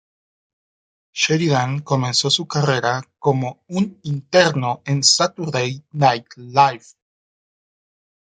Sheridan comenzó su carrera como un interno en "Saturday Night Live".